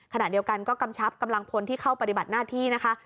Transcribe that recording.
ขณะเดียวกันก็กำชับกำลังพลที่เข้าปฏิบัติหน้าที่นะคะ